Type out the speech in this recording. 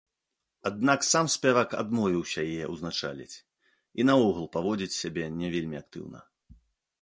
Аднак сам спявак адмовіўся яе ўзначаліць, і наогул паводзіць сябе не вельмі актыўна.